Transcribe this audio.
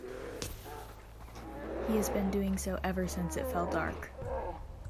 He has been doing so ever since it fell dark.